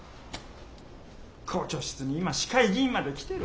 校長室に今市会議員まで来てる。